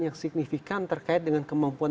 yang signifikan terkait dengan kemampuan